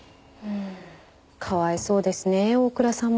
かわいそうですね大倉さんも奈津さんも。